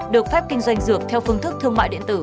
được phép kinh doanh dược theo phương thức thương mại điện tử